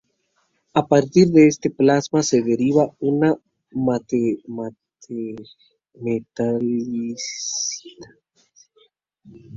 A partir de este plasma se deriva una metalicidad inferior a la solar.